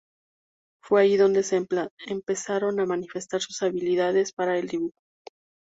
Fue allí donde se empezaron a manifestar sus habilidades para el dibujo.